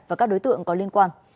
và các đối tượng có liên quan